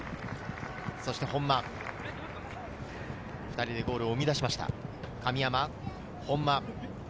そして本間、２人でゴールを生み出しました。